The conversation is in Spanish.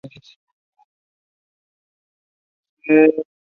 Su centro de operaciones es el Aeropuerto Internacional de Chennai.